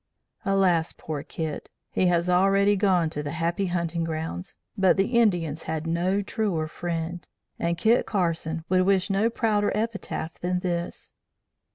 "Alas, poor Kit! He has already 'gone to the Happy Hunting Grounds.' But the Indians had no truer friend, and Kit Carson would wish no prouder epitaph than this.